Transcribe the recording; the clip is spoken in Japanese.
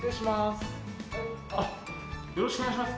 よろしくお願いします